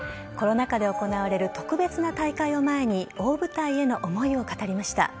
コロナ禍で行われる特別な大会を前に、大舞台への思いを語りました。